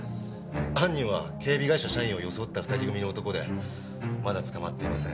犯人は警備会社社員を装った２人組の男でまだ捕まっていません。